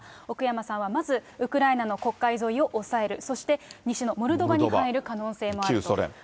奥山さんはまず、ウクライナの黒海沿いを押さえる、そして西のモルドバに入る可能性もあると。